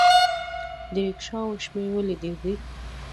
د ریکشاوو شمیر ولې ډیر دی؟